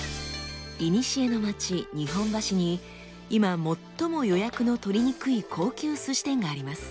いにしえの町日本橋に今最も予約の取りにくい高級鮨店があります。